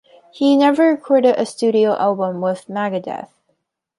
He never recorded a studio album with Megadeth.